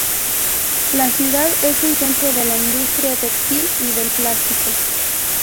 La ciudad es un centro de la industria textil y del plástico.